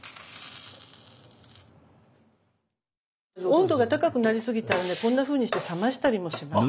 温度が高くなりすぎたらねこんなふうにして冷ましたりもします。